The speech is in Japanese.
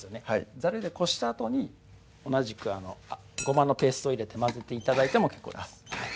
ザルでこしたあとに同じくごまのペースト入れて混ぜて頂いても結構です